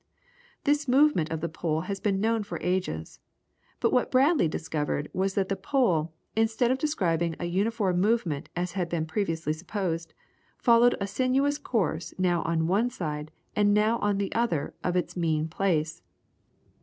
This movement of the pole had been known for ages. But what Bradley discovered was that the pole, instead of describing an uniform movement as had been previously supposed, followed a sinuous course now on one side and now on the other of its mean place.